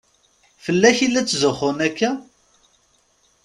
Fell-ak i la tzuxxun akka?